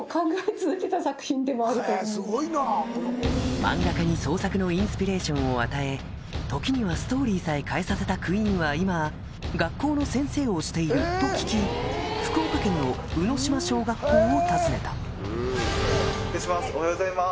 漫画家に創作のインスピレーションを与え時にはストーリーさえ変えさせたクイーンは今学校の先生をしていると聞き福岡県の宇島小学校を訪ねた失礼しますおはようございます。